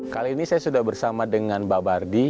kali ini saya sudah bersama dengan mbak bardy